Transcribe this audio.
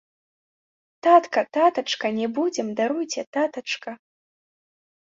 Татка, татачка, не будзем, даруйце, татачка.